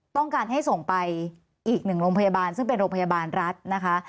ต้องการให้ส่งไปอีกหนึ่งโรงพยาบาลซึ่งเป็นโรงพยาบาลรัฐนะคะ